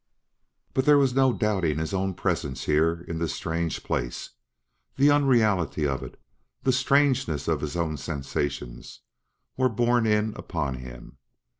But there was no doubting his own presence here in this strange place. The unreality of it the strangeness of his own sensations were borne in upon him.